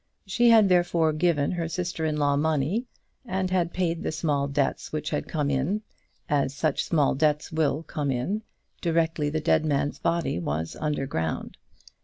She had, therefore, given her sister in law money, and had paid the small debts which had come in, as such small debts will come in, directly the dead man's body was under ground.